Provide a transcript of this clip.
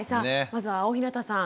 まずは大日向さん